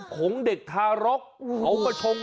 ของเด็กทารกเขาก็ชง